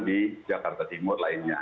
di jakarta timur lainnya